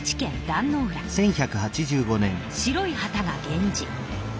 白い旗が源氏。